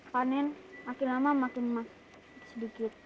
panen makin lama makin sedikit